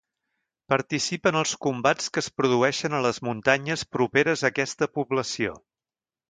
Participa en els combats que es produeixen a les muntanyes properes a aquesta població.